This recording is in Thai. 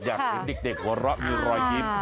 อยากเห็นเด็กเหมือนรอยยิ้ม